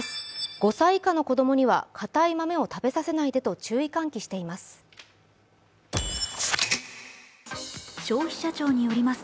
５歳以下の子どもにはかたい豆を食べさせないでと注意喚起しています。